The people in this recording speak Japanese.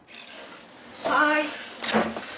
はい！